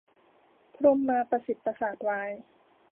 พรหมาประสิทธิ์ประสาทไว้